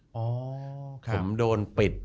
ผมโดนปิด